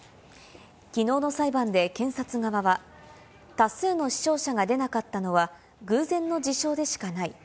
きのうの裁判で検察側は、多数の死傷者が出なかったのは偶然の事象でしかない。